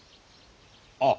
あっ！